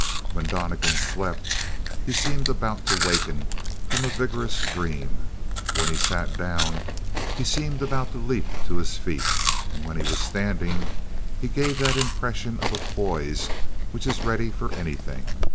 When Donnegan slept he seemed about to waken from a vigorous dream; when he sat down he seemed about to leap to his feet; and when he was standing he gave that impression of a poise which is ready for anything.